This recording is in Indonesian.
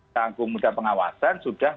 tanggung muda pengawasan sudah